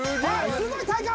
すごい体幹。